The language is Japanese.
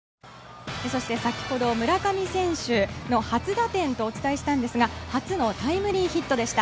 先ほど村上選手の初打点とお伝えしたんですが初のタイムリーヒットでした。